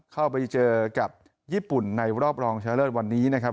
เข้าไปเจอกับญี่ปุ่นในรอบรองชนะเลิศวันนี้นะครับ